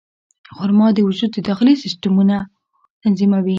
خرما د وجود د داخلي سیستمونو تنظیموي.